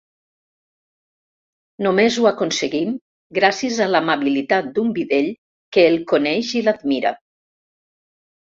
Només ho aconseguim gràcies a l'amabilitat d'un bidell que el coneix i l'admira.